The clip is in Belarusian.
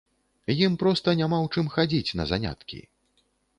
Ім проста няма ў чым хадзіць на заняткі.